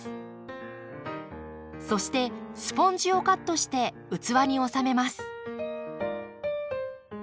そしてスポンジをカットして器に収めます。